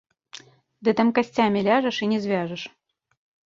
Ды там касцямі ляжаш і не звяжаш.